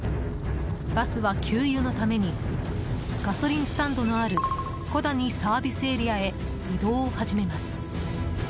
バスは給油のためにガソリンスタンドのある小谷ＳＡへ移動を始めます。